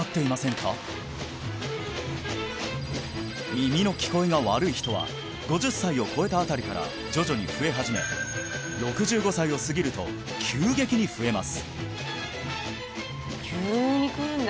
耳の聞こえが悪い人は５０歳を超えたあたりから徐々に増え始め６５歳を過ぎると急激に増えます